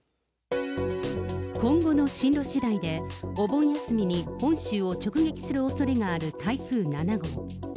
今後の進路しだいで、お盆休みに本州を直撃するおそれがある台風７号。